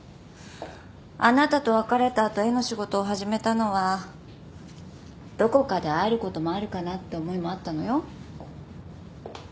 あなたと別れた後絵の仕事を始めたのはどこかで会えることもあるかなって思いもあったのよ。